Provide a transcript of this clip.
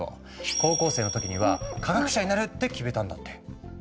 高校生の時には「科学者になる！」って決めたんだって。